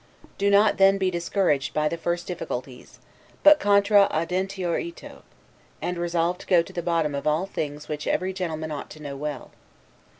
Do not then be discouraged by the first difficulties, but 'contra audentior ito'; and resolve to go to the bottom of all those things which every gentleman ought to know well.